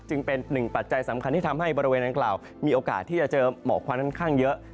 จึงเป็นหนึ่งปัจจัยสำคัญที่ทำให้บริเวณดังกล่าวมีโอกาสที่จะเจอหมอกควันค่อนข้างเยอะ